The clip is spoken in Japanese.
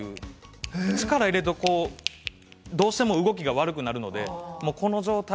力を入れると、どうしても動きが悪くなるので。